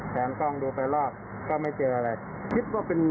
แสงกล้องดูไปรอบก็ไม่เจออะไรคิดว่าเป็น